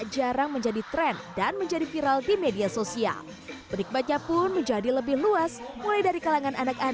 dimana mereka menampilkan musik dangdut yang diremix yang membuat para muda mudi ini bergoyang bersama